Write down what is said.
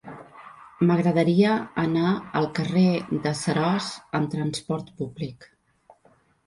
M'agradaria anar al carrer de Seròs amb trasport públic.